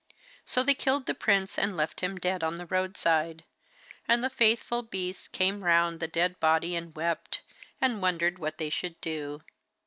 So they killed the prince, and left him dead on the roadside. And the faithful beasts came round the dead body and wept, and wondered what they should do.